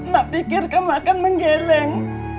mak pikir kemakan menggeleng